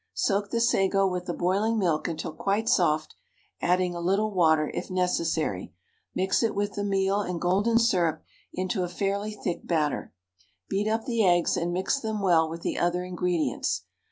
Soak the sago with the boiling milk until quite soft, adding a little water, if necessary; mix it with the meal and golden syrup into a fairly thick batter; beat up the eggs and mix them well with the other ingredients.